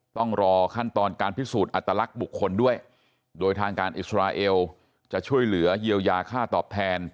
ต้องรอขั้นตอนการพิสูจน์อัตลักษณ์บุคคลด้วยโดยทางการอิสราเอลจะช่วยเหลือเยียวยาค่าตอบแทน